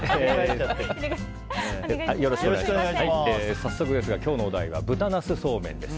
早速ですが今日のお題は豚ナスそうめんです。